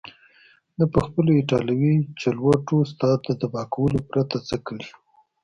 ده پخپلو ایټالوي چلوټو ستا د تباه کولو پرته څه کړي.